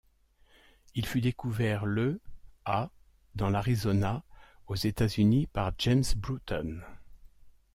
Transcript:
Il fut découvert le à dans l'Arizona aux États-Unis par James Bruton.